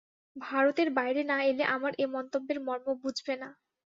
ভারতের বাইরে না এলে আমার এ মন্তব্যের মর্ম বুঝবে না।